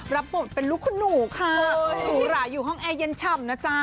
รับบทเป็นลูกคุณหนูค่ะหรูหราอยู่ห้องแอร์เย็นฉ่ำนะจ๊ะ